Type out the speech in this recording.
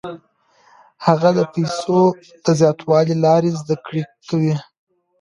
هغې د پیسو د زیاتولو لارې زده کړې وې.